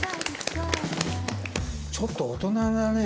ちょっと大人だね